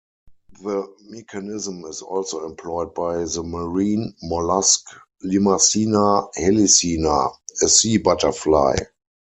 The mechanism is also employed by the marine mollusc "Limacina helicina", a sea butterfly.